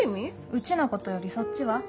うちのことよりそっちは？